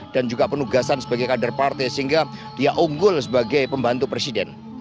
dan juga penugasan sebagai kader parti sehingga dia unggul sebagai pembantu presiden